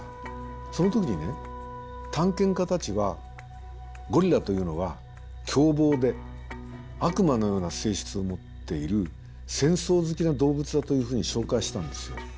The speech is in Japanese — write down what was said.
その時にね探検家たちはゴリラというのは凶暴で悪魔のような性質を持っている戦争好きな動物だというふうに紹介したんですよ。